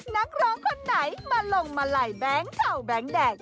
นักร้องคนไหนมาลงมาไหล่แบงค์เท่าแบงค์แดด